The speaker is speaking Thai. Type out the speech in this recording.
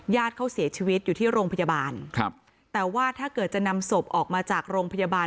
เขาเสียชีวิตอยู่ที่โรงพยาบาลครับแต่ว่าถ้าเกิดจะนำศพออกมาจากโรงพยาบาล